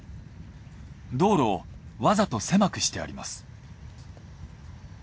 道路をわざと狭くしてあります。